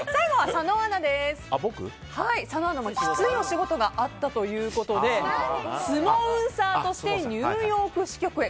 佐野アナもきついお仕事があったということでスモウンサーとしてニューヨーク支局へ。